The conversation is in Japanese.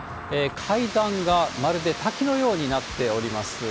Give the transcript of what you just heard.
階段がまるで滝のようになっております。